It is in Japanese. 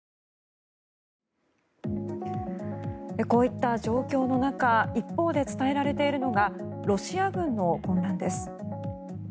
こういった状況の中一方で伝えられているのがロシア軍の混乱です。